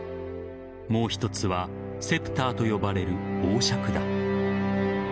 もう一つはセプターと呼ばれる王笏だ。